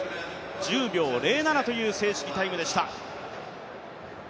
１０秒０７という正式タイムでした。